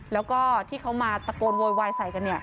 แล้วก็ที่เขามาตะโกนโวยใส่กันเนี่ย